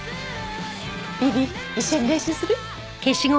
ビビ一緒に練習する？